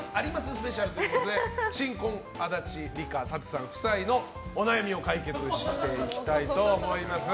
ＳＰということで新婚足立梨花、ＴＡＴＳＵさん夫妻のお悩みを解決していきたいと思います。